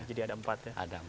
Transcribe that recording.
jadi ada empat ya